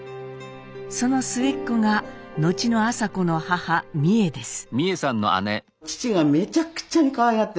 その末っ子が後の麻子の母美惠です。